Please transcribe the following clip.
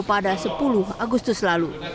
pada sepuluh agustus lalu